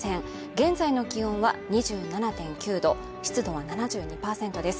現在の気温は２７．９度、湿度は７２％です